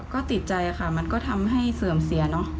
ก็ติดใจค่ะมันก็ทำให้เสื่อมเสียเนอะ